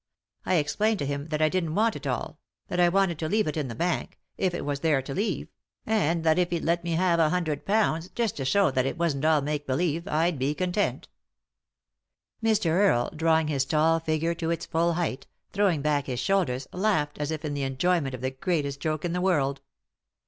I explained to him that I didn't want it at all ; that I wanted to leave it in the bank, if it was there to leave ; and that if he'd let me have a hundred pounds, 222 3i 9 iii^d by Google THE INTERRUPTED KISS just to show that it wasn't all make believe, I'd be content" Mr. Earle, drawing his tall figure to its full height, throwing back his shoulders, laughed as if in the enjoy ment of the greatest joke in the world.